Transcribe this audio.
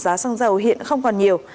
giá xăng dầu hiện không còn nhiều